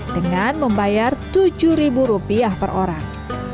dengan membayar tujuh rupiah per orang